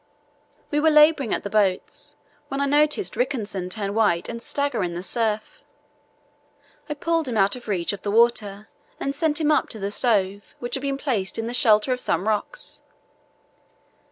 We were labouring at the boats when I noticed Rickenson turn white and stagger in the surf. I pulled him out of reach of the water and sent him up to the stove, which had been placed in the shelter of some rocks.